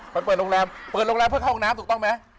เปิดโรงแรมเพื่อเข้าโรงน้ำถูกต้องไหม